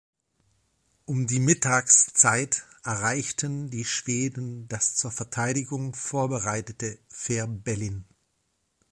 Um die Mittagszeit erreichten die Schweden das zur Verteidigung vorbereitete Fehrbellin.